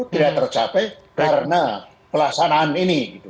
tidak tercapai karena pelaksanaan ini